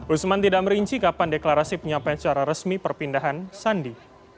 usman tidak merinci kapan deklarasi penyampaian secara resmi perpindahan sandi